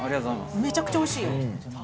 めちゃくちゃおいしい。